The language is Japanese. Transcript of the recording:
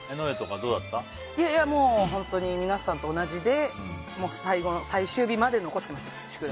もう本当に、皆さんと同じで最後の最終日まで残してました。